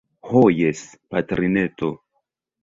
Ho jes, patrineto.